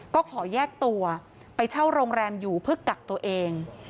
ก็ขอแยกตัวไปเช่าโรงแรมอยู่เพื่อกักตัวเอง